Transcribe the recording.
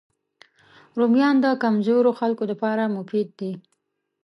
رومیان د کمزوریو کسانو لپاره مفید دي